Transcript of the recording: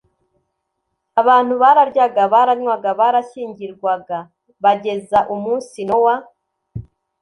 abantu bararyaga, baranywaga, barashyingirwaga, bageza umunsi Nowa